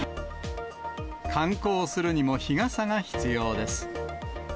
観光するにも日傘が必要です。